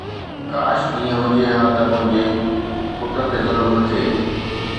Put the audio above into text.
ڪاش ائين هجي ها ته منهنجي پٽ تي ظلم نه ٿئي